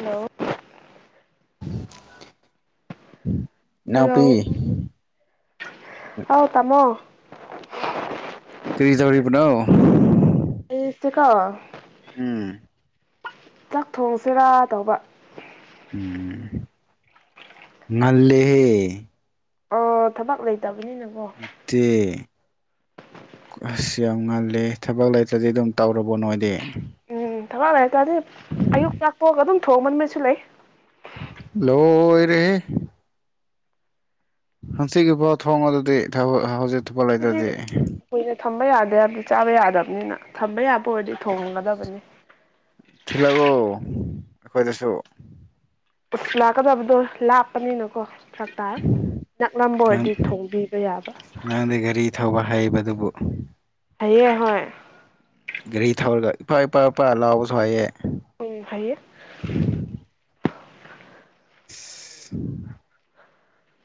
hello ꯎ hello ꯑꯥꯎ ꯀꯃꯣ ꯇꯔꯤꯖ ꯑꯣꯏꯔꯤꯔꯤꯕ ꯁꯤꯇꯀꯥ ꯎꯝ ꯆꯥꯛ ꯊꯣꯡꯁꯤꯔꯥ ꯇꯧꯕ ꯎꯝ ꯅꯜꯂꯤꯦꯦ ꯊꯕꯛ ꯂꯩꯇꯕ ꯅ ꯑꯁ ꯌꯥꯝ ꯉꯜꯂꯤꯦ ꯊꯕꯛ ꯂꯩꯇ꯭ꯔꯗꯤ ꯑꯗꯨꯝ ꯇꯧꯔꯕꯣ ꯅꯣꯏꯗꯤ ꯎꯝ ꯊꯕꯛ ꯂꯩꯇꯥꯥꯔꯗꯤ ꯑꯌꯨꯛ ꯆꯥꯛꯄꯣꯛꯒ ꯑꯗꯨꯝ ꯊꯣꯡꯃꯟꯕꯁꯨ ꯂꯩ ꯂꯣ ꯑꯣꯏꯣꯏ ꯔꯦ ꯍꯪꯆꯤꯒꯤ ꯄ ꯊꯣꯡꯉꯗꯗꯤ ꯍꯧꯖꯤꯛ ꯊꯨꯄ ꯑꯗꯨꯗꯤ ꯂꯩꯗ꯭ꯔꯗꯤ ꯀꯨꯏꯅ ꯊꯝꯕ ꯌꯥꯗꯦ ꯍꯥꯏꯕꯗꯤ ꯆꯥꯕ ꯌꯥꯗꯕꯅꯤꯅ ꯊꯝꯕ ꯌꯥꯕ ꯑꯣꯏꯔꯗꯤ ꯊꯣꯡꯒꯗꯕꯅꯤ ꯊꯤꯜꯂꯎ ꯑꯩꯈꯣꯏꯗꯁꯨ ꯎ ꯂꯥꯛꯀꯗꯕꯗꯣ ꯂꯥꯞꯄꯅꯤꯅꯀꯣ ꯆ ꯇꯥꯔ ꯅꯛꯂꯝꯝꯕ ꯅꯪ ꯑꯣꯏꯔꯗꯤ ꯊꯣꯡꯕꯤꯕ ꯌꯥꯕ ꯅꯪꯗꯤ ꯒꯥꯔꯤ ꯊꯧꯕ ꯍꯩꯕꯗꯨꯕꯨ ꯍꯌꯦꯍꯣꯏ ꯒꯥꯔꯤ ꯊꯧꯔꯒ ꯏꯄꯥ ꯏꯄꯥ ꯏꯄꯥ ꯂꯥꯎꯕꯁꯨ ꯍꯥꯏꯌꯦꯦ ꯎꯝ ꯍꯥꯏꯌꯦ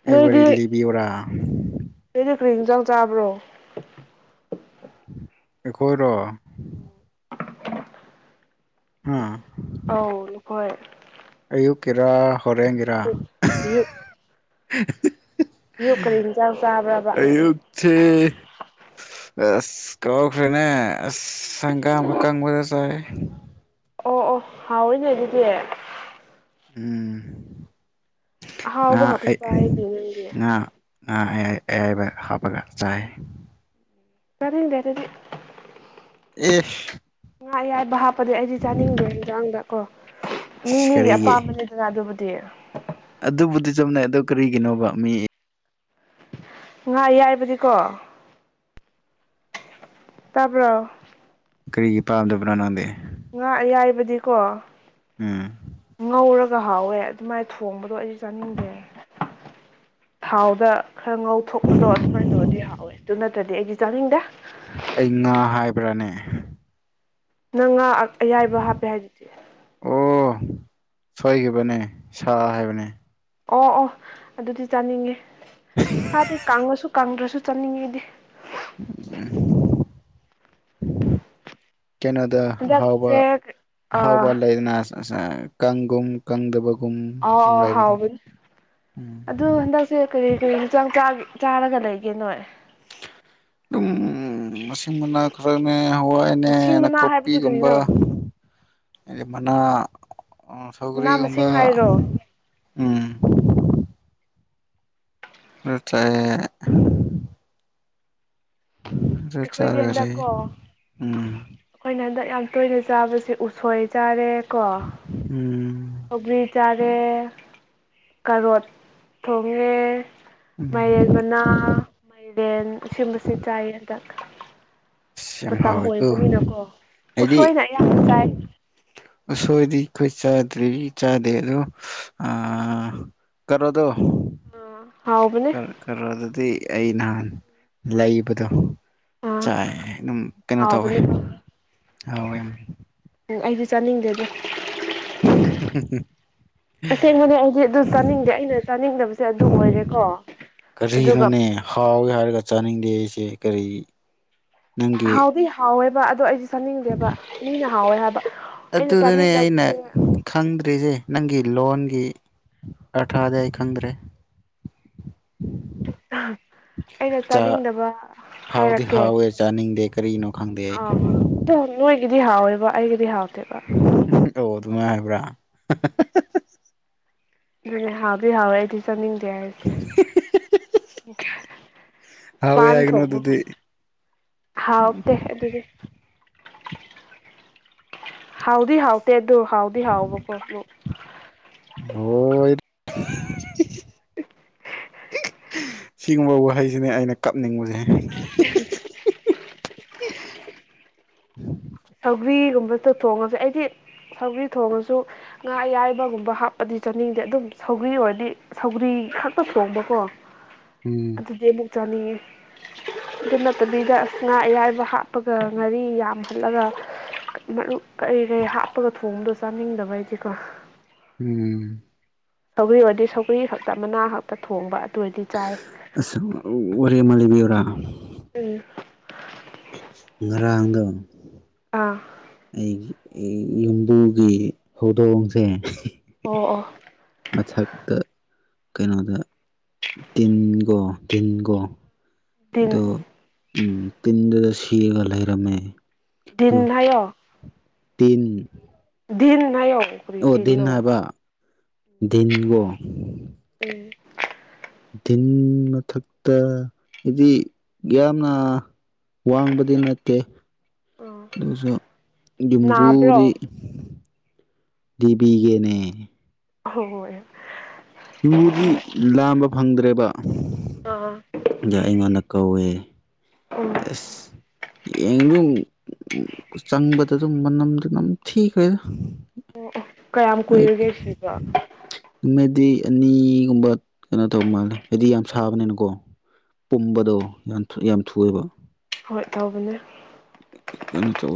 ꯑꯩꯕꯦ ꯅꯣꯏꯗꯤ ꯂꯤꯕꯤꯌꯔꯥ ꯀꯔꯤꯟꯖꯥꯡ ꯆꯥꯕ꯭ꯔꯣ ꯑꯩꯈꯣꯏꯔꯣ ꯍꯥ ꯑ ꯅꯈꯣꯏ ꯑꯌꯨꯛꯀꯤꯔꯥ ꯍꯣꯔꯦꯟꯒꯤꯦꯔꯥ ꯑꯌꯨꯛ ꯑꯌꯨꯛ ꯑꯌꯨꯛ ꯀꯔꯤ ꯏꯟꯖꯥꯡ ꯆꯥꯕ꯭ꯔꯕ ꯑꯌꯨꯛꯁ [inaudible] ꯑꯁ ꯀꯧꯈ꯭ꯔꯦꯅꯦ ꯑꯁ ꯁꯪꯒꯥꯝ ꯑꯃ ꯀꯪꯕꯗ ꯆꯥꯏ ꯑꯣ ꯑꯣ ꯍꯥꯎꯋꯔꯤꯅꯦ ꯑꯗꯨꯗꯤ ꯎꯝ ꯉ ꯑꯍꯥꯎꯕ ꯈꯛꯇ ꯑꯩ ꯆꯥꯏꯅꯦ ꯅꯪꯗꯤ ꯑꯩ ꯑꯩ ꯑꯦꯕ ꯍꯥꯄꯒꯥ ꯆꯥꯏ ꯇꯔꯗꯦꯔꯗꯤ ꯑꯦ ꯉꯥ ꯑꯌꯥꯏꯕ ꯍꯥꯞꯄꯗꯤ ꯑꯩꯗꯤ ꯆꯥꯅꯤꯡꯗꯦ ꯍꯟꯖꯥꯡꯗ ꯀꯣ ꯃꯤ ꯃꯤꯒꯤ ꯀꯔꯤꯒꯤ ꯑꯄꯥꯝꯕꯅꯦꯗꯅ ꯑꯗꯨꯕꯨ ꯗ ꯑꯗꯨꯕꯨꯗꯤ ꯆꯝꯅꯩ ꯑꯗ ꯀꯔꯤꯒꯤꯅꯣꯕ ꯃꯤ ꯉꯥ ꯌꯥꯏꯕꯗꯤꯀꯣ ꯇꯄ ꯀꯔꯤꯒꯤ ꯄꯥꯝꯗꯕꯅꯣ ꯅꯪꯗꯦ ꯉꯥ ꯌꯥꯏꯕꯗꯤꯀꯣ ꯎꯝ ꯆꯥꯛꯍꯥꯎꯋꯦ ꯑꯗꯨꯃꯥꯏꯅ ꯊꯣꯡꯕꯗꯣ ꯑꯩꯁꯨ ꯆꯥꯅꯤꯡꯗꯦ ꯊꯥꯎꯗ ꯈꯔ ꯉꯧ ꯊꯣꯛꯣꯛꯄꯗꯣ ꯑꯗꯨꯃꯥꯏꯅ ꯇꯧꯔꯗꯤ ꯍꯥꯎꯋꯦ ꯑꯗꯨ ꯅꯠꯇ꯭ꯔꯗꯤ ꯑꯩꯗꯤ ꯆꯥꯅꯤꯡꯗꯦ ꯑꯩ ꯉꯥ ꯍꯥꯏꯕ꯭ꯔꯥꯅꯤ ꯅꯪ ꯉ ꯑꯌꯥꯏꯕ ꯍꯥꯞꯄꯦ ꯍꯥꯏꯗꯨꯗꯤ ꯑꯣ ꯁꯣꯏꯈꯤꯕꯅꯦ ꯁꯥ ꯍꯥꯏꯕꯅꯦ ꯑꯣ ꯑꯣ ꯑꯗꯨꯗꯤ ꯆꯥꯅꯤꯡꯉꯦ ꯁꯥꯗꯤ ꯀꯪꯉꯁꯨ ꯀꯪꯗ꯭ꯔꯁꯨ ꯁꯨ ꯆꯠꯅꯤꯡꯉꯩꯗꯤ ꯎꯝ ꯀꯩꯅꯣꯗ ꯑꯍꯥꯎꯕ ꯍꯟꯗꯛꯁꯦ ꯑꯍꯥꯎꯕ ꯑꯥ ꯂꯩꯗꯅ ꯀꯪꯒꯨꯝ ꯀꯪꯗꯕ ꯑ ꯑꯥꯎ ꯍꯥꯎꯕꯅꯤ ꯎꯝ ꯑꯗꯨ ꯍꯟꯗꯛꯁꯦ ꯀꯔꯤ ꯀꯔꯤ ꯍꯆꯥꯡꯆꯥꯥꯒꯦ ꯆꯥꯔꯒ ꯂꯩꯒꯦ ꯅꯣꯏ ꯑꯗꯨꯝ ꯎ ꯃꯁꯤ ꯃꯅꯥ ꯈꯔꯅꯦ ꯍꯋꯥꯏꯅꯦ ꯃꯁꯤꯡ ꯃꯅꯥ ꯍꯥꯏꯕꯗꯤ ꯅꯥꯀꯨꯞꯄꯤꯒꯨꯝꯕ ꯀꯔꯤꯅꯣ ꯑꯗꯨꯗꯤ ꯃꯅꯥ ꯑꯣ ꯃꯅꯥ ꯁꯧꯒꯔꯤꯒꯨꯝꯕ ꯃꯁꯤꯡ ꯍꯥꯏꯔꯣ ꯎꯝ ꯅꯠꯇ꯭ꯔ ꯑꯩꯈꯣꯏꯗꯤ ꯆꯥꯔꯒ ꯂꯩ ꯍꯟꯗꯛꯀꯣ ꯎꯝ ꯑꯩꯈꯣꯏꯅ ꯍꯟꯗꯛ ꯌꯥꯝ ꯇꯣꯏꯅ ꯆꯥꯕꯁꯦ ꯎꯁꯣꯏ ꯆꯥꯔꯦꯀꯣ ꯎꯝ ꯍꯒ꯭ꯔꯤ ꯆꯥꯔꯦ ꯀꯔꯣꯠ ꯊꯣꯡꯉꯦ ꯎꯝ ꯃꯥꯏꯔꯦꯟ ꯃꯅꯥ ꯃꯥꯏꯔꯦꯟ ꯑꯁꯤꯨꯝꯕꯁꯦ ꯆꯥꯏ ꯍꯟꯗꯛ ꯑꯁ ꯌꯥꯝ ꯃꯇꯝ ꯍꯥꯎꯋꯦꯀꯣ ꯑꯣꯏꯕꯅꯤꯅꯀꯣ ꯍꯥꯏꯗꯤ ꯎꯁꯣꯏꯅ ꯑꯌꯥꯝꯕ ꯆꯥꯏ ꯑꯁꯣꯏꯗꯤꯈꯣꯏ ꯆ ꯊ꯭ꯔꯤ ꯆꯥ ꯗ ꯑꯗꯨ ꯑ ꯀꯣꯗꯣ ꯑꯣ ꯈꯔꯣ ꯑꯗꯨꯗꯤ ꯑꯩ ꯅꯍꯥꯟ ꯂꯩꯕꯗꯣ ꯑꯥ ꯆꯥꯏ ꯑꯗꯨꯝ ꯀꯩꯅꯣ ꯇꯧꯋꯦ ꯍꯥꯎꯕꯅꯤꯀꯣ ꯍꯥꯎꯋꯦꯝ ꯆꯥꯅꯤꯡꯗꯦꯗꯤ [inaudible] ꯑꯁꯦꯡꯕꯅꯦ ꯑꯩꯗꯤ ꯑꯗꯨ ꯆꯥꯅꯤꯡꯗꯦ ꯑꯩꯅ ꯆꯥꯅꯤꯡꯗꯕꯁꯦ ꯑꯗꯨ ꯑꯣꯏꯔꯦꯀꯣ ꯑꯗꯨꯒ ꯀꯔꯤꯅꯣꯅꯦ ꯍꯥꯎꯏꯦ ꯍꯥꯏꯔꯒ ꯆꯥꯅꯤꯡꯗꯦ ꯑꯩꯁꯦ ꯀꯔꯤ ꯅꯪꯒꯤ ꯍꯥꯎꯗꯤ ꯍꯥꯎꯋꯦꯕ ꯑꯗꯣ ꯑꯩꯁꯨ ꯆꯪꯅꯤꯡꯗꯦꯕ ꯃꯤꯅ ꯍꯥꯎꯋꯦ ꯍꯥꯏꯕ ꯑꯩꯅ ꯑꯗꯨꯗꯨꯅꯦ ꯑꯩꯅ ꯆꯥꯅꯤꯡꯗꯕꯁꯦ ꯈꯪꯗ꯭ꯔꯤꯁꯦ ꯅꯪꯒꯤ ꯂꯣꯟꯒꯤ ꯑꯔꯊꯥꯗꯤ ꯑꯩ ꯈꯪꯗ꯭ꯔꯦ ꯑꯩꯅ ꯆꯥ ꯆꯥꯅꯤꯡꯗꯕ ꯍꯥꯎꯗꯤ ꯍꯥꯏꯔꯛꯀꯦ ꯍꯥꯎꯋꯦ ꯆꯥꯅꯤꯡꯗꯦ ꯀꯔꯤꯅꯣ ꯈꯪꯗꯦ ꯑꯩ ꯏꯗꯤ ꯍꯥꯎꯋꯦꯕ ꯑꯩꯒꯤꯗꯤ ꯍꯥꯎꯇꯦꯕ ꯁꯃꯥꯏ ꯍꯥꯏꯕ꯭ꯔꯥ ꯅꯅꯦ ꯍꯥꯎꯗꯤ ꯍꯥꯎꯋꯦ ꯑꯩꯗꯤ ꯆꯪꯅꯤꯡꯗꯦ ꯍꯥꯏꯔꯤꯁꯦ ꯍꯥꯎꯋꯦ ꯄꯥꯟ ꯍꯥꯏꯒꯅꯨ ꯊꯧꯕ ꯑꯗꯨꯗꯤ ꯍꯥꯥ ꯑꯣꯛꯇ ꯑꯗꯨꯗꯤ ꯍꯥꯎꯗꯤ ꯍꯥꯎꯇꯦ ꯑꯗꯨ ꯍꯥꯎꯗꯤ ꯍꯥꯎꯕꯀꯣ ꯍꯣꯏ ꯁꯤꯒꯨꯝꯕ ꯋꯥꯍꯩꯁꯤꯅꯦ ꯑꯩꯅ ꯀꯞꯅꯤꯡꯕꯁꯦ ꯑ ꯁꯒ꯭ꯒꯨꯝꯝꯕ ꯑꯗꯣ ꯊꯣꯡꯉꯁꯦ ꯑꯩꯗꯤ ꯁꯧꯒ꯭ꯔꯤ ꯊꯣꯡꯉꯁꯨ ꯉꯥ ꯑꯌꯥꯏꯕꯒꯨꯝꯕ ꯍꯥꯞꯄꯗꯤ ꯆꯥꯅꯤꯡꯗꯦ ꯑꯗꯨꯝ ꯁꯧ ꯁꯧꯒ꯭ꯔꯤ ꯑꯣꯏꯔꯗꯤ ꯁꯧꯒ꯭ꯔꯤ ꯈꯛꯇ ꯊꯣꯡꯕꯀꯣ ꯎꯝ ꯑꯗꯨꯗꯤ ꯑꯃꯨꯛ ꯆꯅꯤ ꯑꯗꯨ ꯅꯠꯇꯕꯤꯗ ꯑꯁ ꯉꯥ ꯑꯌꯥꯥꯏꯕ ꯍꯥꯞꯄꯒ ꯉꯥꯔꯤ ꯌꯥꯝꯍꯜꯂꯒ ꯃꯔ ꯀꯩ ꯀꯩ ꯍꯥꯞꯄꯒ ꯊꯣꯡꯗꯣ ꯆꯥꯅꯤꯡꯗꯕ ꯍꯥꯏꯗꯤꯀꯣ ꯎꯝ ꯁꯧꯒ꯭ꯔꯤ ꯑꯣꯏꯔꯗꯤ ꯁꯧꯒꯔꯤ ꯈꯛꯇ ꯃꯅꯥ ꯈꯛꯇ ꯊꯣꯡꯕ ꯑꯗꯨ ꯑꯣꯏꯔꯗꯤ ꯆꯥꯏ ꯑ ꯋꯥꯔꯤ ꯑꯃ ꯂꯩꯕꯤꯌꯔꯥ ꯎꯝ ꯉꯔꯥꯡꯒ ꯑꯥ ꯑꯩꯒꯤ ꯌꯨꯝꯗꯨꯒꯤ ꯍꯧꯗꯣꯡꯁꯦ ꯑꯣ ꯑꯣ ꯃꯆꯥꯥꯛꯗ ꯀꯩꯅꯣꯗ ꯇꯤꯟꯒꯣ ꯇꯤꯟꯒꯣ ꯑꯗꯨꯤꯟ ꯑꯗꯣ ꯎꯝ ꯇꯤꯟꯗꯨꯗ ꯁꯤꯔꯒ ꯂꯩꯔꯝꯃꯦ ꯑꯗꯨ ꯤꯟꯌꯣ ꯇꯤꯟ ꯗꯟ ꯌꯛ ꯑꯣ ꯗꯤꯟ ꯍꯥꯏꯕ ꯗꯤꯟꯒꯣ ꯎꯝ ꯤꯟ ꯃꯊꯛꯇ ꯍꯥꯏꯗꯤ ꯌꯥꯝꯅ ꯋꯥꯡꯕꯗꯤ ꯅꯠꯇꯦ ꯑꯥ ꯣꯁꯥ ꯅꯥꯕ꯭ꯔꯣ ꯝꯝꯕꯨꯗꯤ ꯗꯤꯕꯒꯅꯦ ꯍꯣꯏ ꯨꯝꯕꯨꯗꯤ ꯂꯥꯝꯕ ꯐꯪꯗ꯭ꯔꯦꯕ ꯑꯥ ꯑ ꯑꯩꯉꯣꯟꯗ ꯀꯧꯋꯦ ꯎꯝ ꯑ ꯏꯗ ꯎꯝ ꯆꯪꯕꯗ ꯑꯗꯨꯝ ꯃꯅꯝꯗꯨꯅꯝ ꯊꯤꯈ꯭ꯔꯦꯗ ꯀꯌꯥꯝ ꯑꯩ ꯀꯨꯏꯔꯒꯦ ꯁꯤꯕ ꯎꯗꯤ ꯑꯦꯅꯤꯒꯨꯝꯕ ꯀꯩꯅꯣ ꯇꯧꯕ ꯃꯥꯜꯂꯦ ꯍꯥꯏꯕꯗꯤ ꯌꯥꯝ ꯁꯥꯕꯅꯤꯅꯀꯣ ꯄꯨꯝꯕꯗꯣ ꯌꯥꯝ ꯌꯥꯝ ꯊꯨꯑꯦꯕ ꯍꯣꯏ ꯇꯧꯕꯅꯦ ꯀꯩꯅꯣ ꯇ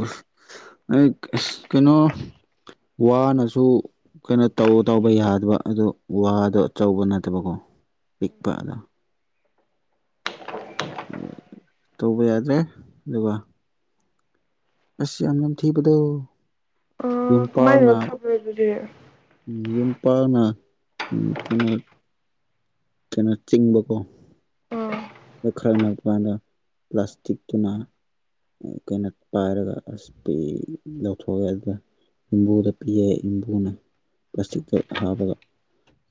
ꯑꯩ ꯀꯩꯅꯣ ꯋꯥꯅꯁꯨ ꯀꯩꯅꯣ ꯇꯧ ꯇꯧꯕ ꯌꯥꯗꯕ ꯑꯗꯨ ꯋꯥꯗꯣ ꯑꯆꯧꯕ ꯅꯠꯇꯕꯀꯣ ꯛꯄꯥꯗ ꯇꯧꯕ ꯌꯥꯗ꯭ꯔꯦ ꯑꯗꯨꯒ ꯑꯁ ꯌꯥꯝ ꯊꯗ ꯃꯥꯏꯅꯅ ꯊꯕ꯭ꯔꯦ ꯑꯗꯨꯗꯤ ꯌꯨꯝ ꯄꯥꯛꯅ ꯀꯩꯅꯣ ꯀꯩꯅꯣ ꯆꯤꯡꯤꯡꯕ ꯀꯣ ꯑꯥ ꯈꯔꯄꯗ ꯄ꯭ꯂꯥꯁꯇꯤꯛꯛꯇꯅ ꯀꯩꯅꯣ ꯄꯥꯏꯔꯒ ꯑꯁ ꯄꯤ ꯂꯧꯊꯣꯛꯑꯦ ꯑꯗꯨꯒ ꯌꯕꯨꯗ ꯄꯤꯑꯦ ꯌꯕꯨꯅ ꯄ꯭ꯂꯥꯁꯇꯤꯛꯇ ꯍꯥꯞꯕꯒ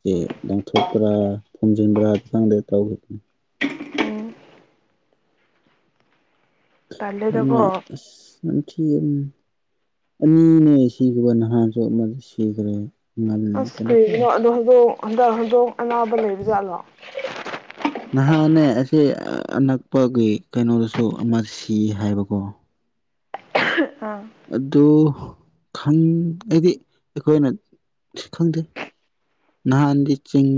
ꯁ ꯂꯪꯊꯣꯛꯄ꯭ꯔꯥ ꯐꯣꯝꯖꯤꯟꯕ꯭ꯔꯥ ꯈꯪꯗꯦ ꯇꯧꯈꯤꯕ ꯎꯝ ꯌꯥꯝ ꯇꯜꯂꯦꯗꯀꯣ ꯤ ꯑꯅꯤꯅꯦ ꯁꯤꯕ ꯅꯍꯥꯟꯁꯨ ꯑꯃꯗ ꯁꯤꯈ꯭ꯔꯦ ꯉꯟ ꯑꯁ ꯀꯩꯅꯣ ꯇꯧꯋꯦ ꯀꯔꯤꯅꯣ ꯑꯗꯣ ꯍꯧꯗꯣ ꯍꯟꯗꯛ ꯍꯧꯗꯣꯡ ꯑꯅꯥꯕ ꯂꯩꯕꯖꯥꯠꯂꯣ ꯅꯍꯥꯅꯦ ꯑꯁꯤ ꯑꯅꯛꯄꯒꯤ ꯀꯩꯅꯣꯗꯁꯨ ꯑꯃ ꯁꯤ ꯍꯥꯏꯕꯀꯣ ꯑꯗꯨ ꯈꯪ ꯑꯩꯗꯤ ꯑꯩꯈꯣꯏꯅ ꯈꯪꯗꯦ ꯅꯍꯥꯟꯗꯤ ꯆꯤꯡ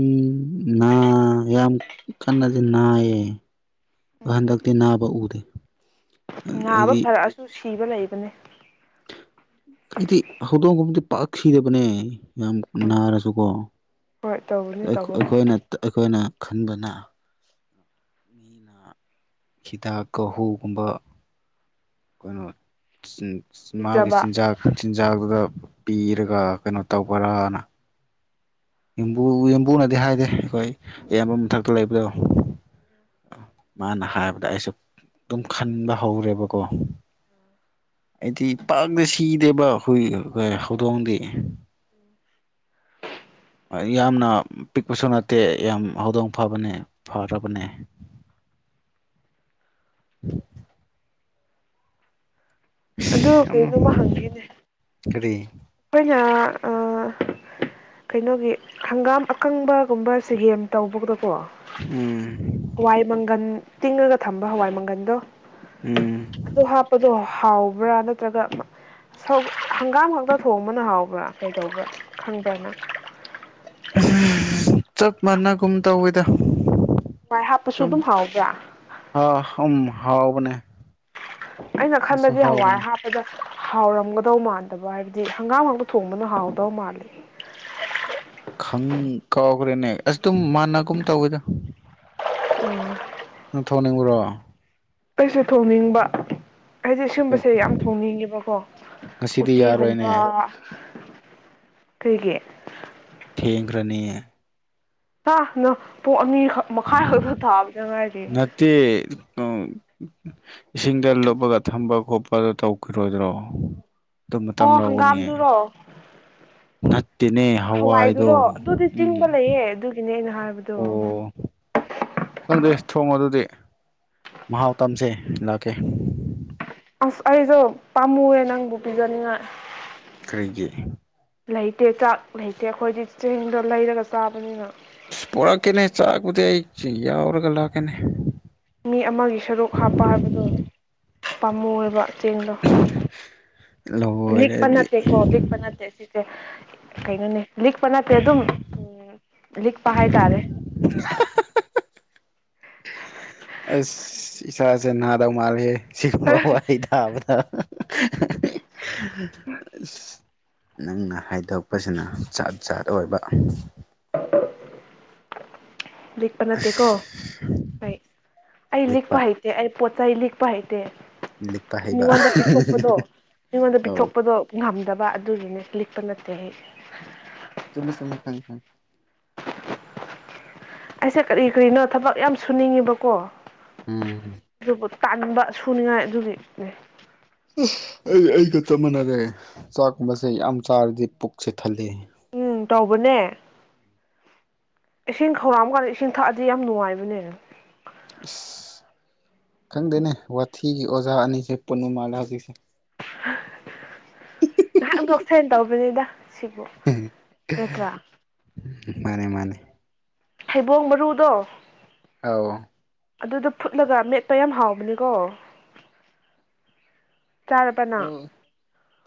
ꯅꯥ ꯌꯥꯝ ꯀꯟꯅꯗꯤ ꯅꯥꯏꯌꯦ ꯑꯗꯣ ꯍꯟꯗꯛꯇꯤ ꯅꯥꯕ ꯎꯗꯦ ꯉꯥꯕ ꯑꯩꯗꯤ ꯐꯔꯛꯑꯁꯨ ꯁꯤꯕ ꯂꯩꯕꯅꯦ ꯑꯩꯗꯤ ꯍꯧꯗꯣꯡꯒꯕꯗꯤ ꯄꯥꯛ ꯁꯤꯗꯕꯅꯦ ꯌꯥꯝ ꯅꯥꯔꯁꯨꯀꯣ ꯍꯣꯏ ꯇꯧꯕꯅꯦ ꯇꯧꯕꯕꯨꯗꯤ ꯑꯩꯈꯣꯏꯅ ꯑꯩꯈꯣꯏꯅ ꯈꯟꯕꯅ ꯃꯤꯅ ꯍꯤꯗꯥꯛ ꯍꯨꯒꯨꯝꯕ ꯀꯩꯅꯣ ꯃꯥꯒꯤ ꯀꯤꯖꯕ ꯆꯤꯟꯖꯥꯛ ꯆꯤꯟꯖꯥꯛꯇꯨꯗ ꯄꯤꯔꯒ ꯀꯩꯅꯣ ꯇꯧꯕ꯭ꯔꯅ ꯕꯨ ꯌꯦꯝꯕꯨꯅꯗꯤ ꯍꯥꯏꯗꯦ ꯑꯩꯈꯣꯏ ꯑꯌꯥꯝꯕ ꯃꯊꯛꯇ ꯂꯩꯕꯗꯣ ꯃꯥꯅ ꯍꯥꯏꯕꯗ ꯑꯩꯁꯨ ꯑꯗꯨꯝ ꯈꯟꯕ ꯍꯧꯔꯦꯕꯀꯣ ꯑꯩꯗꯤ ꯄꯥꯛꯗ ꯁꯤꯗꯦꯕ ꯑꯩꯈꯣꯏ ꯍꯧꯗꯣꯡꯗꯤ ꯌꯥꯝꯅ ꯄꯤꯛꯄꯁꯨ ꯅꯠꯇꯦ ꯌꯥꯝ ꯍꯧꯗꯣꯡ ꯐꯕꯅꯦ ꯐꯔꯕꯅꯦ [unintelligible] [inaudible] ꯎꯝ [unintelligible] [inaudible] ꯑꯗꯨ ꯑ ꯀꯔꯤ [unintelligible] [inaudible] ꯑꯩꯈꯣꯏ ꯌꯥ ꯑ ꯀꯩꯅꯣꯒꯤ ꯍꯪꯒꯥꯝ ꯑꯀꯪꯕꯒꯨꯝꯕ ꯁꯤꯒꯦꯝ ꯇꯧꯕꯗ ꯑꯣ ꯎꯝ ꯍꯋꯥꯏ ꯃꯪꯒꯟ ꯇꯤꯡꯉꯒ ꯊꯝꯕ ꯍꯋꯥꯏ ꯃꯪꯒꯟꯗꯣ ꯎꯝ ꯑꯗꯨ ꯍꯥꯞꯄꯗꯣ ꯍꯥꯎꯕ꯭ꯔꯥ ꯅꯠꯇ꯭ꯔꯒ ꯍꯪꯒꯥꯝ ꯈꯛꯇ ꯊꯣꯡꯕꯅ ꯍꯥꯎꯕ꯭ꯔꯥ ꯀꯩꯗꯧꯕ꯭ꯔꯥ ꯈꯪꯕ꯭ꯔꯅ ꯎꯝ ꯆꯞ ꯃꯥꯟꯅꯒꯨꯝ ꯇꯧꯋꯤꯗ ꯅꯨꯡꯉꯥꯏ ꯍꯥꯞꯄꯁꯨ ꯑꯗꯨꯝ ꯍꯥꯎꯕ꯭ꯔꯥ ꯑꯝ ꯍꯥꯎꯕꯅꯦ ꯑꯩꯅ ꯑꯗꯨꯁꯨ ꯈꯟꯕꯗꯤ ꯍꯋꯥꯏ ꯍꯥꯎꯕꯅꯦ ꯍꯥꯞꯄꯗ ꯍꯥꯎꯔꯝꯒꯗꯧ ꯃꯥꯟꯗꯕ ꯍꯥꯏꯕꯗꯤ ꯍꯪꯒꯥꯝ ꯍꯥꯛꯇ ꯊꯣꯡꯕꯅ ꯍꯥꯎꯗꯧ ꯃꯥꯜꯂꯤ ꯈꯪ ꯀꯥꯎꯈ꯭ꯔꯦꯅꯦ ꯑꯁ ꯑꯗꯨꯝ ꯃꯥꯟꯅꯒꯨꯝ ꯇꯧꯋꯦꯗ ꯎꯝ [unintelligible] [inaudible] ꯅꯪ ꯊꯣꯡꯅꯤꯡꯕ꯭ꯔꯣ ꯑꯩꯩꯁꯨꯦ ꯊꯣꯡꯅꯤꯡꯕ ꯍꯥꯏꯗꯤ ꯑꯗꯨꯝ ꯁꯤꯒꯨꯝꯕꯁꯦ ꯌꯥꯝ ꯊꯣꯡꯅꯤꯡꯉꯦꯕꯀꯣ ꯉꯁꯤꯗꯤ ꯎꯇꯤꯒꯨꯝꯕ ꯌꯥꯔꯣꯏꯅꯦ ꯀꯔꯤꯒꯦꯠ ꯊꯦꯡꯈ꯭ꯔꯅꯤꯌꯦ ꯁꯥ ꯅ ꯄꯣꯛ ꯑꯅꯤꯈꯛ ꯃꯈꯥꯏ ꯈꯛꯇ ꯊꯥꯕꯅ ꯉꯥꯏꯔꯤ ꯎ ꯏꯁꯤꯡꯗ ꯂꯨꯞꯄꯒ ꯊꯝꯕ ꯈꯣꯠꯄ ꯑꯗꯨ ꯇꯧꯈꯤꯔꯣꯏꯗ꯭ꯔꯣ ꯑꯗꯨꯃ ꯇ ꯑꯣ ꯑꯃꯔꯅꯤ ꯍꯥꯏ ꯍꯪꯒꯥꯝꯗꯨꯔꯣ ꯍꯋꯥꯏꯗꯣ ꯍꯋꯥꯏꯗꯨꯔꯣ ꯑꯗꯨꯗꯤ ꯆꯤꯡꯕ ꯎꯝ ꯂꯩꯌꯦ ꯑꯗꯨꯒꯤꯅꯦ ꯑꯩꯅ ꯍꯥꯏꯕꯗꯣ ꯑꯣ [unintelligible] [inaudible] ꯈꯪꯗꯦ ꯊꯣꯡꯉꯣ ꯑꯗꯨꯗꯤ ꯃꯍꯥꯎ ꯇꯝꯁꯦ ꯂꯥꯛꯀꯦ ꯑꯁ ꯑꯩꯁꯨ ꯄꯥꯝꯃꯨꯑꯦ ꯅꯪꯕꯨ ꯄꯤꯖꯅꯤꯡꯉꯥꯏ ꯀꯔꯤꯒꯤ ꯂꯩꯇꯦ ꯆꯥꯛ ꯂꯩꯇꯦ ꯑꯩꯈꯣꯏꯗꯤ ꯆꯦꯡꯗꯣ ꯂꯩꯔꯒ ꯆꯥꯕꯅꯤꯅ ꯁ ꯄꯣꯔꯛꯀꯦꯅꯦ ꯆꯥꯛꯄꯗꯤ ꯑꯩ ꯌꯥꯎꯔꯒ ꯂꯥꯛꯀꯅꯤ ꯃꯤ ꯄꯥꯝꯃꯣꯏꯕ ꯂꯂꯣ [unintelligible] [inaudible] ꯂꯤꯛꯄ ꯅꯠꯇꯦꯀꯣ ꯂꯤꯛꯄ ꯅꯠꯇꯦ ꯁꯤꯁꯦ ꯀꯩꯅꯣꯅꯦ ꯂꯤꯛꯄ ꯅꯠꯇꯦ ꯑꯗꯨꯝ ꯎꯝ ꯂꯤꯛ ꯄꯍ ꯇꯔꯦ [unintelligible] [inaudible] ꯑꯁ ꯏꯁꯁꯥꯥꯁꯦ ꯅꯍꯥꯗ ꯎ ꯃꯥꯜꯦ ꯁꯤꯒꯨꯝꯕ ꯋꯥꯍꯩ ꯇꯥꯕꯗ ꯑ ꯅꯪꯅ ꯍꯥꯏꯗꯣꯛꯄꯁꯤꯅ ꯆꯥꯠ ꯥꯠ ꯑꯣꯏꯕ [inaudible] ꯂꯤꯛꯄ ꯅꯠꯇꯦꯀꯣ ꯑꯩ ꯑꯩ ꯂꯤꯛꯄ ꯍꯩꯇꯦ ꯑꯩ ꯄꯣꯠ ꯆꯩ ꯂꯤꯛ ꯄꯥꯏꯗꯦ ꯂꯤꯛꯄ ꯍꯩꯕ ꯃꯤꯉꯣꯟꯗ ꯄꯤꯊꯣꯛꯄꯗꯣ ꯃꯤꯉꯣꯟꯗ ꯑꯧ ꯄꯤꯊꯣꯛꯄꯗꯣ ꯉꯝꯗꯕ ꯑꯗꯨꯒꯤꯅꯦ ꯂꯤꯛ ꯄꯅꯠꯇꯦ ꯑꯩ ꯆꯃꯁ ꯈꯪ ꯈ [unintelligible] ꯑꯩꯁꯦ ꯀꯔꯤ ꯀꯔꯤꯅꯣ ꯊꯕꯛ ꯌꯥꯝ ꯁꯨꯅꯤꯡꯉꯦꯕꯀꯣ ꯎꯝ ꯑꯗꯨꯕꯨ ꯇꯥꯟꯕ ꯁꯨꯅꯤꯡꯉꯥꯏ ꯑꯗꯨꯒꯤꯅꯦ ꯑꯥ ꯑꯩ ꯑꯩꯒ ꯆꯞ ꯃꯥꯟꯅꯔꯦ ꯆꯥꯛꯀꯨꯝꯕꯁꯦ ꯌꯥꯝ ꯆꯥꯔꯗꯤ ꯄꯨꯛꯁꯦ ꯊꯜꯂꯦ ꯎꯝ ꯇꯧꯕꯅꯦ ꯏꯁꯤꯡ ꯈꯧꯔꯥꯡꯕꯀꯥꯟꯗ ꯏꯁꯤꯡ ꯊꯛꯑꯗꯤ ꯌꯥꯝ ꯅꯨꯡꯉꯥꯏꯕꯅꯦ [inaudible] ꯈꯪꯗꯦꯅꯦ ꯋꯥꯊꯤꯒꯤ ꯑꯣꯖꯥ ꯑꯅꯤꯁꯦ ꯄꯨꯟꯕꯃꯥꯜꯂꯦ ꯍꯧꯖꯤꯛꯁꯦ ꯍ [inaudible] ꯉꯥꯏꯍꯥꯛ ꯅꯣꯛꯁꯦꯅ ꯇꯧꯕꯅꯤꯗ ꯁꯤꯕꯨ ꯅꯠꯇ꯭ꯔꯥ ꯃꯥꯅꯦ ꯃꯥꯅꯦ ꯊꯩꯕꯣꯡ ꯃꯔꯨꯗꯣ ꯑ ꯑꯗꯨꯗꯣ ꯐꯨꯠꯂꯒ ꯃꯦꯠꯄ ꯌꯥꯝ ꯍꯥꯎꯕꯅꯤꯀꯣ ꯆꯥꯔꯕ ꯑꯣ ꯅꯪ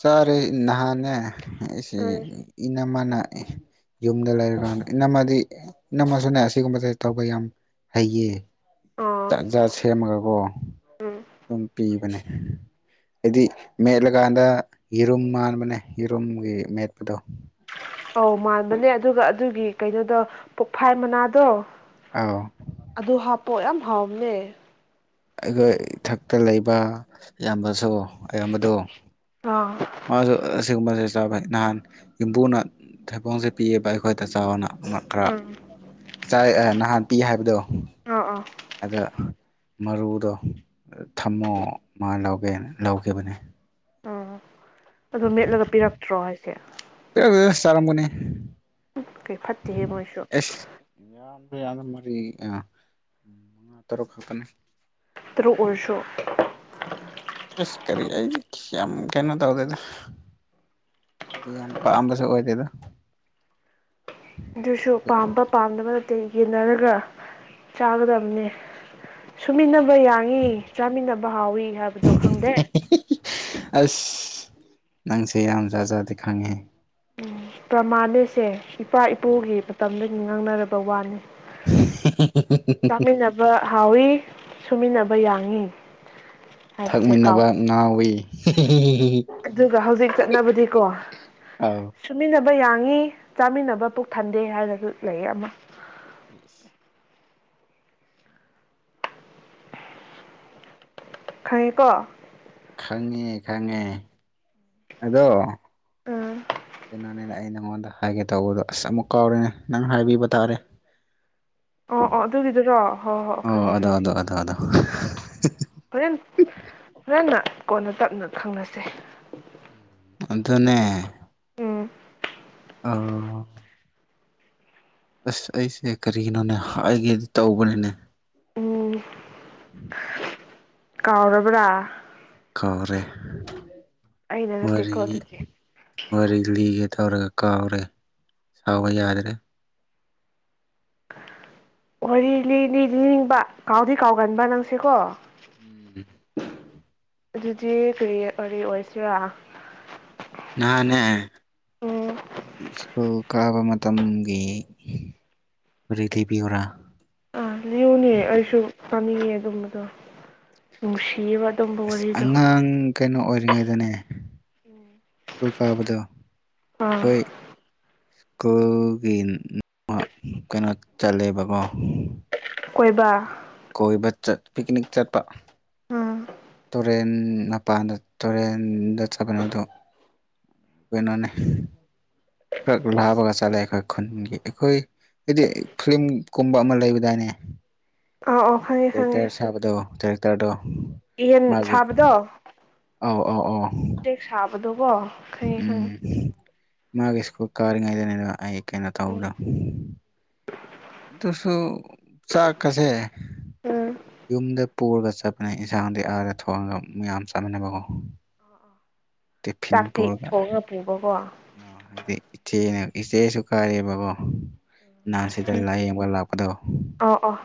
ꯆꯥꯔꯦ ꯅꯍꯥꯟꯅꯦ ꯑꯩꯁꯦ ꯎꯝ ꯏꯅꯝꯃꯅ ꯌꯨꯝꯗ ꯂꯩꯔꯀꯥꯟꯗ ꯏꯅꯝꯃꯗꯤ ꯏꯅꯝꯃꯁꯨꯅꯦ ꯑꯁꯤꯒꯨꯝꯕꯁ ꯇꯧꯕ ꯌꯥꯝ ꯍꯩꯌꯦ ꯑꯥ ꯖꯥꯠ ꯖꯥꯠ ꯁꯦꯝꯃꯒꯀꯣ ꯎꯝ ꯑꯗꯨꯝ ꯄꯤꯕꯅꯦ ꯍꯥꯏꯗꯤ ꯃꯦꯠꯂꯀꯥꯟꯗ ꯌꯦꯔꯨꯝ ꯃꯥꯟꯕꯅꯦ ꯌꯦꯔꯨꯝꯒꯤ ꯃꯦꯠꯄꯗꯣ ꯑꯧ ꯃꯥꯟꯕꯅꯦ ꯑꯗꯨꯒ ꯑꯗꯨꯒꯤ ꯀꯩꯅꯣꯗꯣ ꯄꯣꯡꯐꯥꯏ ꯃꯅꯥꯗꯣ ꯑꯥꯎ ꯑꯗꯨ ꯍꯥꯞꯄꯣ ꯌꯥꯝ ꯍꯥꯎꯕꯅꯦ ꯑꯩꯈꯣꯏ ꯏꯊꯛꯇ ꯂꯩꯕ ꯏꯌꯥꯝꯕꯁꯨ ꯑꯌꯥꯝꯕꯗꯣ ꯑꯥ ꯃꯥꯁꯨ ꯑꯁꯤꯒꯨꯝꯕꯁꯦ ꯆꯕ ꯅꯍꯥꯟ ꯌꯨꯝꯕꯨꯅ ꯊꯩꯕꯣꯡꯁꯦ ꯄꯤꯌꯦꯕ ꯑꯩꯈꯣꯏꯗ ꯆꯥꯎꯑꯣꯅ ꯈꯔ ꯑꯥ ꯆꯥꯏ ꯑꯥ ꯅꯍꯥꯟ ꯄꯤ ꯍꯥꯏꯕꯗꯣ ꯑ ꯑ ꯑꯗꯥ ꯃꯔꯨꯗꯣ ꯊꯝꯃꯣ ꯃꯥ ꯂꯧꯒꯦ ꯂꯧꯈꯤꯕꯅꯦ ꯎꯥ ꯑꯗꯨꯣ ꯃꯦꯠꯂꯒ ꯄꯤꯔꯛꯇ꯭ꯔꯣ ꯍꯥꯏꯁꯦ ꯄꯤꯔꯛꯇꯦꯗ ꯆꯥꯔꯝꯒꯅꯤ ꯀꯩ ꯐꯠꯇꯦꯍꯦ ꯃꯣꯏꯁꯨ ꯀꯌꯥꯅꯣ ꯃꯔꯤ ꯑꯥ ꯇꯔꯨꯛ ꯈꯛꯇꯅꯤ ꯇꯔꯨꯛ ꯑꯣꯏꯔꯁꯨ ꯑꯁ ꯀꯔꯤ ꯑꯩꯗꯤ ꯌꯥꯝ ꯀꯩꯅꯣ ꯇꯧꯗꯦꯗ ꯌꯥꯝ ꯄꯥꯝꯕꯁꯨ ꯑꯣꯏꯗꯦꯗꯥ ꯗꯨꯁꯨ ꯄꯥꯝꯕꯥ ꯄꯥꯝꯗꯕ ꯌꯦꯟꯅꯔꯒ ꯆꯥꯒꯗꯕꯅꯦ ꯁꯨꯃꯤꯟꯅꯕ ꯕ ꯌꯥꯡꯏ ꯆꯥꯃꯤꯟꯅꯕ ꯍꯥꯎꯋꯤ ꯍꯥꯏꯕꯗꯣ ꯈꯪꯗꯦ ꯑꯁ ꯅꯪꯁꯦ ꯌꯥꯝꯖꯥꯠ ꯖꯥꯠꯇꯤ ꯈꯪꯉꯦ ꯄ꯭ꯔꯃꯥꯟꯅꯦꯁꯦ ꯏꯄꯥ ꯏꯄꯨꯒꯤ ꯃꯇꯝꯗꯒꯤ ꯉꯥꯡꯅꯔꯕ ꯋꯥꯅꯤ ꯆꯥꯃꯤꯟꯅꯕ [unintelligible] ꯍꯥꯎꯋꯤ ꯁꯨꯃꯤꯟꯅꯕ ꯌꯥꯡꯏ ꯊꯛꯃꯤꯟꯅꯕ ꯉꯥꯎꯋꯤ ꯑꯗꯨꯒ ꯍꯧꯖꯤꯛ ꯆꯠꯅꯕꯗꯤꯀꯣ ꯑꯧ ꯁꯨꯃꯤꯟꯅꯕ ꯕ ꯌꯥꯡꯏꯤ ꯆꯥꯃꯤꯟꯅꯕ ꯄꯨꯛ ꯊꯟꯗꯦ ꯍꯥꯏꯔꯁꯨ ꯂꯩꯌꯦ ꯑꯃ [inaudible] ꯈꯪꯉꯦꯀꯣ ꯈꯪꯉꯦ ꯈꯪꯉꯦ ꯑꯗꯣ ꯎꯝ ꯀꯩꯅꯣꯅꯦꯅꯦ ꯑꯩ ꯅꯪꯉꯣꯟꯗ ꯍꯥꯏꯒꯦ ꯇꯧꯕꯗꯣ ꯑꯁ ꯑꯃꯨꯛ ꯀꯥꯎꯔꯅꯦ ꯅꯪ ꯍꯥꯏꯕꯤꯕ ꯇꯥꯔꯦ ꯑꯣ ꯑꯣ ꯑꯗꯨꯒꯤꯗꯨꯔꯣ ꯍꯣꯏ ꯍꯣꯏ ꯑꯣ ꯈꯪꯉꯦ ꯑꯗꯣ ꯈꯪꯉꯦ ꯑꯗꯣ [inaudible] ꯍꯣꯔꯦꯟ ꯍꯣꯔꯟꯅ ꯀꯣꯟꯅ ꯇꯞꯅ ꯈꯪꯅꯁꯦ ꯑꯗꯨꯅꯦ ꯎꯝ ꯑ ꯑꯁ ꯑꯩꯁꯦ ꯀꯔꯤꯒꯤꯅꯣꯅꯦ ꯍꯥꯏꯒꯦꯗꯤ ꯇꯧꯕꯅꯤꯅꯦ ꯎꯝ ꯀꯥꯎꯔꯕꯕ꯭ꯔꯥ ꯀꯧꯔꯦ ꯑꯩꯅ ꯅꯠꯇꯦꯀꯣ ꯋꯥꯔꯤꯔꯤ ꯑꯗꯨꯗꯤ ꯑꯣꯏꯔꯒ ꯇꯧꯔꯒ ꯀꯥꯎꯔꯦ ꯁꯥꯎꯕ ꯌꯥꯗꯔꯦ ꯍ ꯂꯤꯂꯤ ꯂꯤꯅꯤꯡꯕ ꯀꯥꯎꯗꯤ ꯀꯥꯎꯒꯟꯕ ꯅꯪꯁꯦꯀꯣ ꯎꯝ ꯑꯗꯨꯗꯤ ꯀꯔꯤ ꯀ ꯑꯣꯏꯁꯤꯔꯥ ꯎꯝ ꯀ ꯀꯥꯕ ꯃꯇꯪꯒꯤ ꯩ ꯊꯩꯕꯤꯌꯣꯔꯥ ꯑꯥ ꯂꯤꯌꯨꯅꯦ ꯑꯩꯁꯨ ꯇꯥꯅꯤꯡꯉꯦ ꯑꯗꯨꯝꯕꯗꯣ ꯅꯨꯡꯁꯤꯌꯦꯕ ꯑꯗꯨꯝꯕ ꯑꯁ ꯋꯥꯔꯤꯗꯣ ꯑꯉꯥꯡ ꯀꯩꯅꯣ ꯑꯣꯏꯔꯤꯉꯩꯗꯅꯦ ꯁ꯭ꯀꯨꯜ ꯀꯥꯕꯗ ꯑꯥ ꯑꯩꯈꯣꯏ ꯁ꯭ꯀꯨꯜꯒꯤ ꯀꯩꯅꯣ ꯆꯜꯂꯦꯕꯀꯣ ꯀꯣꯏꯕ ꯀꯣꯏꯕ ꯆꯠ ꯄꯤꯛꯅꯤꯛ ꯆꯠꯄ ꯑꯝ ꯇꯨꯔꯦꯟ ꯃꯄꯥꯟꯗ ꯇꯨꯔꯦꯟꯗ ꯆꯠꯕꯅꯤ ꯑꯗꯨ ꯀꯩꯅꯣꯅꯦ ꯈ ꯂꯥꯕꯒ ꯆꯠꯂꯦ ꯑꯩꯈꯣꯏ ꯈꯨꯟꯒꯤ ꯑꯩꯈꯣꯏ ꯍꯥꯏꯗꯤ ꯐꯤꯝꯒꯨꯝꯕ ꯑꯃ ꯂꯩꯕꯗꯥꯏꯅꯦ ꯑꯥ ꯑꯣ ꯈꯪꯉꯦ ꯇꯦꯛꯇꯔ ꯁꯥꯕꯗꯣ ꯇ ꯏꯍꯟ ꯁꯥꯕꯗꯣ ꯑꯧ ꯑꯧ ꯑꯧ ꯎꯆꯦꯛ ꯁꯥꯕꯗꯨ ꯀꯣ ꯎꯝ ꯃꯥꯒꯦ ꯏꯁꯀꯨ ꯀꯥꯔꯥꯏꯗꯅꯦ ꯀꯩꯅꯣ ꯇꯧꯕꯗꯣ ꯑꯗꯨꯁꯨ ꯆꯥꯛꯀꯁꯦ ꯎꯝ ꯎꯝ ꯌꯨꯝꯗ ꯄꯨꯔꯒ ꯆꯠꯄꯅꯦ ꯏꯟꯁꯥꯡꯗꯤ ꯑꯥꯗ ꯊꯣꯡꯉꯒꯌꯥꯝ ꯆꯠꯃꯤꯟꯅꯕꯀꯣ ꯇꯤꯐꯤꯟ ꯆꯥꯛꯇꯤ ꯄꯔꯒ ꯊꯣꯡꯉꯒ ꯄꯨꯕꯀꯣ ꯑꯣ ꯍꯥꯏꯗꯤ ꯏꯆꯦꯅ ꯏꯆꯦꯁꯨ ꯀꯥꯏꯔꯦꯕꯀꯣ ꯅꯍꯥꯟꯁꯤꯗ ꯎꯝ ꯂꯥꯏꯌꯦꯡꯒ ꯂꯥꯛꯄꯗꯣ ꯑꯣ ꯑꯣ ꯑꯣ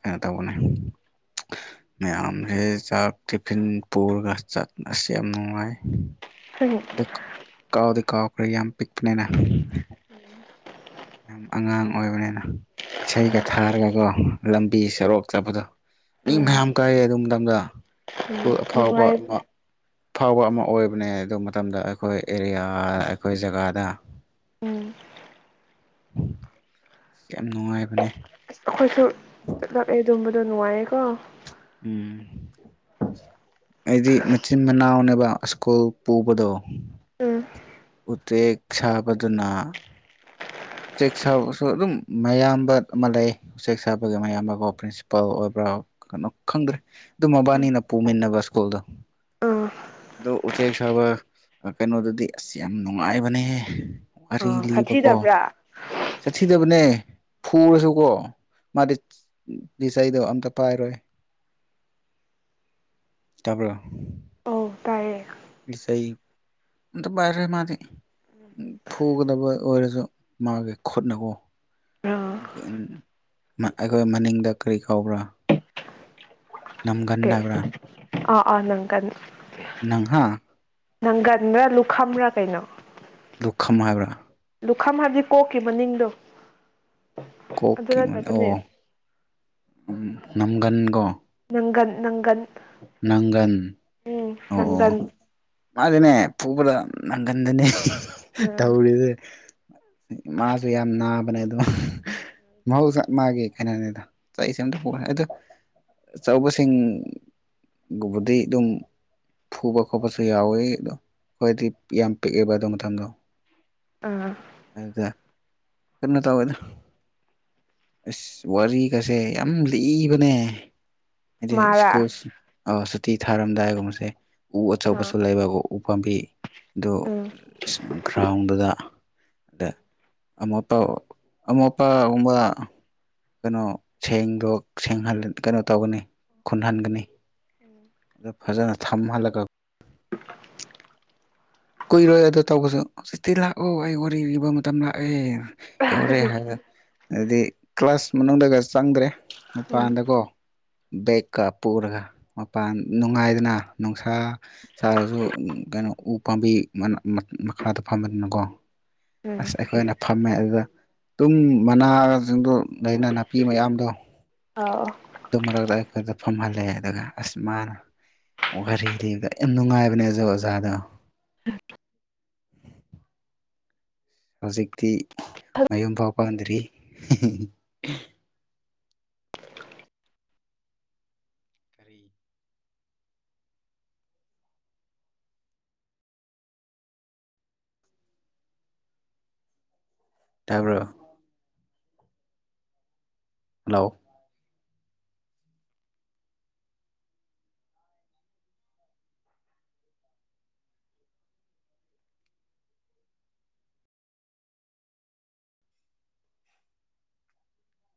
ꯀꯩꯅꯣ ꯇꯧꯕꯅꯦ ꯃꯌꯥꯝ ꯍꯦ ꯆꯥꯛ ꯇꯤꯐꯤꯟ ꯄꯨꯔꯒ ꯆꯠꯁ ꯌꯥꯝ ꯅꯨꯡꯉꯥꯏ ꯎꯝ ꯑꯗꯨ ꯀꯥꯎꯗꯤ ꯀꯥꯎꯈ꯭ꯔꯦ ꯌꯥꯝ ꯄꯤꯛꯄꯅꯤꯅ ꯌꯥꯝ ꯑꯉꯥꯡ ꯑꯣꯏꯕꯅꯤꯅ ꯏꯁꯩꯒ ꯊꯥꯔꯒꯀꯣ ꯂꯝꯕꯤ ꯁꯣꯔꯣꯛ ꯆꯠꯄꯗꯣ ꯃꯤ ꯎꯝ ꯃꯌꯥꯝ ꯀꯥꯏꯔꯦ ꯑꯗꯨꯝꯊꯪꯗ ꯁ꯭ꯀꯨꯜ ꯑꯐꯥꯎꯕ ꯅꯨꯡꯉꯥꯏ ꯑꯃ ꯐꯥꯎꯕ ꯑꯃ ꯑꯣꯏꯕꯅꯦ ꯑꯗꯨ ꯃꯇꯝꯗ ꯑꯩꯈꯣꯏ ꯑꯦꯔꯤꯌꯥ ꯑꯩꯈꯣꯏ ꯖꯒꯥꯗ ꯎꯝ ꯑ ꯌꯥꯝ ꯅꯨꯡꯉꯥꯏꯕꯅꯦ ꯑꯁ ꯑꯩꯈꯣꯏꯁꯨ ꯆꯠꯂꯛꯑꯦ ꯑꯗꯨꯝꯕꯗꯣ ꯅꯨꯡꯉꯥꯏꯌꯦꯀꯣ ꯎꯝ ꯑꯩꯗꯤ ꯃꯆꯤꯟ ꯃꯅꯥꯎꯅꯦꯕ ꯁ꯭ꯀꯨꯜ ꯄꯨꯕꯗꯣ ꯎꯝ ꯎꯆꯦꯛ ꯁꯥꯕꯗꯨꯅ ꯎꯝ ꯎꯆꯦꯛ ꯁꯥꯕꯁꯨ ꯑꯗꯨꯝ ꯃꯌꯥꯝꯕ ꯑꯃ ꯂꯩ ꯎꯆꯦꯛ ꯁꯥꯕꯒꯤ ꯃꯌꯥꯝꯕꯀꯣ ꯄ꯭ꯔꯤꯟꯁꯤꯄꯥꯜ ꯑꯣꯏꯕ꯭ꯔꯥ ꯀꯩꯅꯣ ꯈꯪꯗ꯭ꯔꯦ ꯑꯗꯨ ꯃꯕꯥꯅꯤꯅ ꯄꯨꯃꯤꯟꯅꯕ ꯁ꯭ꯀꯨꯜꯗꯣ ꯑ ꯑꯗꯣ ꯎꯆꯦꯛ ꯁꯥꯕ ꯀꯩꯅꯣꯗꯗꯤ ꯑꯁ ꯌꯥꯝ ꯅꯨꯡꯉꯥꯏꯕꯅꯦ ꯋꯥꯔꯤ ꯑꯥ ꯂꯤꯕꯀꯣ ꯁꯥꯊꯤꯗꯕ꯭ꯔꯥ ꯆꯠꯊꯤꯗꯕꯅꯦ ꯐꯨꯔꯁꯨꯀꯣ ꯃꯥꯗꯤ ꯗꯣ ꯑꯝꯇ ꯄꯥꯏꯔꯣꯏ ꯇꯥꯄꯔ ꯑꯧ ꯇꯥꯏꯌꯦ ꯁ ꯑꯇ ꯄꯔ ꯃꯥꯗꯤ ꯎ ꯐꯨꯒꯗꯕ ꯑꯣꯏꯔꯁꯨ ꯃꯥꯒꯤ ꯈꯨꯠꯅꯀꯣ ꯑꯥ ꯑꯩꯈꯣꯏ ꯃꯅꯤꯡꯗ ꯀꯔꯤ ꯀꯧꯕ꯭ꯔꯥ ꯀꯩ ꯅꯝꯒꯟꯅꯕ꯭ꯔꯥ ꯑꯥ ꯑꯥ ꯉꯪꯒꯅꯤ ꯅꯪꯍꯥꯛ ꯅꯪꯒꯟꯕ꯭ꯔꯥ ꯂꯨꯈ꯭ꯔꯥ ꯀꯩꯅꯣ ꯄꯨꯈꯝ ꯍꯥꯏꯕ꯭ꯔꯥ ꯂꯨꯈꯝ ꯍꯥꯏꯕꯗꯤ ꯀꯣꯛꯈꯤꯕ ꯃꯅꯤꯡꯗꯣ ꯑꯗꯨ ꯀꯣꯛꯀꯦꯅꯤ ꯅꯠꯇꯕꯅꯦ ꯑꯣ ꯎ ꯅꯝꯒꯟꯀꯣ ꯅꯪꯒꯟ ꯅꯪꯒꯟ ꯅꯪꯒꯟ ꯎꯝ ꯑꯣꯛꯑꯣ ꯅꯪꯒꯟ ꯃꯥꯅꯦ ꯄ ꯄꯨꯕꯗ ꯅꯪꯒꯟꯗꯅꯦ ꯎꯝ ꯇꯧꯔꯤꯗ ꯃꯥꯁꯨ ꯌꯥꯝ ꯅꯥꯕꯅꯦ ꯑꯗꯨ ꯃꯍꯧꯁ ꯃꯥꯒꯦ ꯀꯩꯅꯅꯤꯗ ꯆꯁꯦ ꯑꯇ ꯑꯣ ꯑꯆꯧꯕꯁꯤꯡꯒꯨꯝꯕꯗꯤ ꯑꯗꯨꯝ ꯐꯨꯕ ꯈꯣꯠꯄꯁꯨ ꯌꯥꯎꯋꯤ ꯑꯗꯣ ꯍꯥꯏꯣꯏꯗꯤ ꯌꯥꯝ ꯄꯤꯛꯑꯦꯕ ꯑꯗꯨ ꯃꯗꯣ ꯑꯥ ꯀꯩꯅꯣ ꯇꯧꯋꯦꯗ ꯑꯁ ꯋꯥꯔꯤꯒꯁꯦ ꯌꯥꯝ ꯂꯤꯕꯅꯦ ꯍꯥꯏꯗꯤ ꯃꯥꯔꯥ ꯁ꯭ꯀꯨꯜ ꯁꯨꯇꯤ ꯊꯥꯔꯝꯗꯥꯏꯒꯨꯝꯕꯁꯦ ꯎ ꯑꯥ ꯑꯆꯧꯕꯁꯨ ꯂꯩꯕ ꯎꯄꯥꯥꯝꯕꯤ ꯑꯗꯨ ꯎꯝ ꯒ꯭ꯔꯥꯎꯟꯗꯨꯗ ꯑꯗꯦ ꯑꯃꯄꯥ ꯑꯃꯄꯥ ꯀꯕ ꯀꯩꯅꯣ ꯁꯦꯡꯗꯣꯡ ꯀꯩꯅꯣ ꯇꯧꯒꯅꯤ ꯈꯨꯟꯍꯟꯒꯅꯤ ꯑꯗꯨ ꯐꯖꯅ ꯊꯝꯍꯜꯂꯒ ꯀꯨꯏꯔꯣꯏ ꯑꯗꯨꯗ ꯇꯧꯕꯁꯨ ꯆꯤꯇꯤ ꯂꯥꯛꯑꯣ ꯑꯩ ꯋꯥꯔꯤ ꯂꯤꯕ ꯃꯇꯝ ꯂꯥꯛꯑꯦ ꯑꯦꯎꯔꯦ ꯍꯥꯏ ꯑꯗꯨꯗꯤ ꯀ꯭ꯂꯥꯁ ꯃꯗꯒꯁꯤ ꯆꯪꯗ꯭ꯔꯦ ꯎꯝ ꯃꯄꯥꯟꯗꯀꯣ ꯕꯦꯒꯀ ꯄꯨꯔꯒ ꯃꯄꯥꯟ ꯅꯨꯡꯉꯥꯏꯗꯅ ꯅꯨꯡꯁꯥ ꯁꯥꯔꯁꯨ ꯀꯩꯅꯣ ꯎ ꯄꯥꯝꯕꯤ ꯃꯈꯥꯗ ꯐꯝꯕꯅꯤꯅꯀꯣ ꯎꯝ ꯑꯁ ꯑꯩꯈꯣꯏꯅ ꯐꯝꯃꯦ ꯑꯗꯨꯗ ꯇꯨꯝ ꯃꯅꯥꯁꯤꯡꯗꯨ ꯂꯩꯩꯅ ꯅꯥꯄꯤ ꯃꯌꯥꯝꯗꯣ ꯑꯧ ꯇ ꯃꯔꯗ ꯑꯩꯈꯣꯏ ꯐꯝꯍꯜꯂꯛꯑꯦ ꯑꯗꯨꯒ ꯑꯁ ꯃꯥꯅ ꯋꯥꯔꯤ ꯂꯤꯕꯗ ꯌꯥꯝ ꯅꯨꯡꯉꯥꯏꯕꯅꯦ ꯑꯣꯖꯥ ꯑꯣꯖꯥꯗꯣ ꯍꯧꯖꯤꯛꯇꯤ ꯃꯌꯨꯝ ꯐꯥꯎ ꯄꯥꯟꯗ꯭ꯔꯤ ꯇꯥꯔꯕꯔ ꯍꯜꯂꯣ